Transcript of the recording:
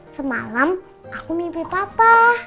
semalam aku mimpi papa